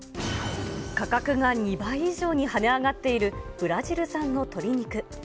価格が２倍以上にはね上がっているブラジル産の鶏肉。